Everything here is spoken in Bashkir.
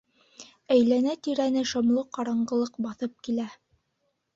Әйләнә-тирәне шомло ҡараңғылыҡ баҫып килә.